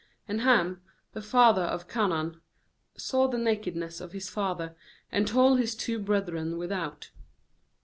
nd Ham, the father of Canaan, saw the nakedness of his father, and told his two brethren without.